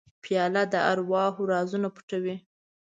پیاله د ارواحو رازونه پټوي.